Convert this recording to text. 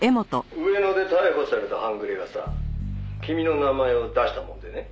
「上野で逮捕された半グレがさ君の名前を出したもんでね」